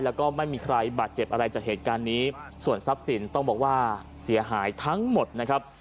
แล้วก็ไม่มีใครบาดเจ็บอะไรจากเหตุการณ์นี้ส่วนทรัพย์สินต้องบอกว่าเสียหายทั้งหมดนะครับ